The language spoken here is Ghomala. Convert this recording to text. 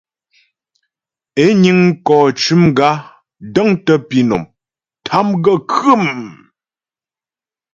É niŋ mkɔ cʉm gǎ, dəŋtə pǐnɔm, tâm gaə́ khə̌mmm.